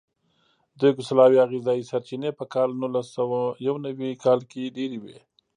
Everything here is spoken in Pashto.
د یوګوسلاویا غذایي سرچینې په کال نولسسوهیونوي کال کې ډېرې وې.